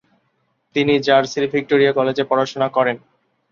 তিনি জার্সির ভিক্টোরিয়া কলেজে পড়াশোনা করেন।